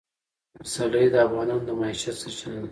پسرلی د افغانانو د معیشت سرچینه ده.